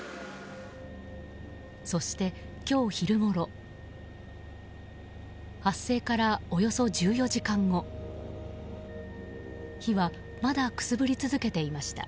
そして今日昼ごろ発生からおよそ１４時間後火はまだくすぶり続けていました。